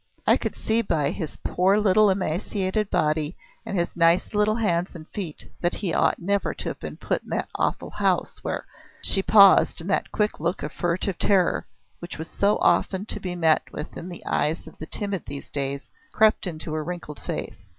I could see by his poor little emaciated body and his nice little hands and feet that he ought never to have been put in that awful house, where " She paused, and that quick look of furtive terror, which was so often to be met with in the eyes of the timid these days, crept into her wrinkled face.